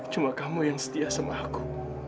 cuma kamu yang setia sama aku